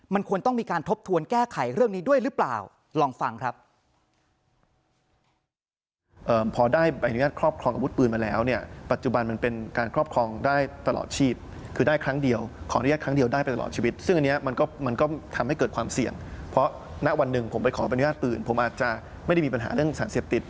มันควรต้องมีการทบทวนแก้ไขเรื่องนี้ด้วยหรือเปล่าลองฟังครับ